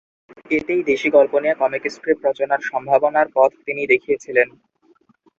এতেই দেশি গল্প নিয়ে 'কমিক স্ট্রিপ' রচনার সম্ভাবনার পথ তিনিই দেখিয়েছিলেন।